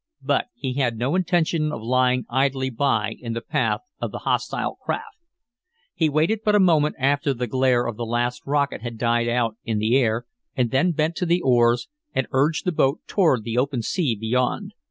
But he had no intention of lying idly by in the path of the hostile craft. He waited but a moment after the glare of the last rocket had died out in the air, and then bent to the oars, and urged the boat toward the open sea beyond.